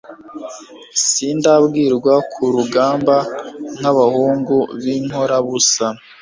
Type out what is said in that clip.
sindambirwa ku rugamba nkabahungu binkorabusa